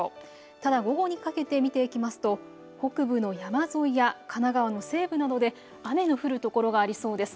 ただ午後にかけて見ていきますと北部の山沿いや神奈川の西部などで雨の降る所がありそうです。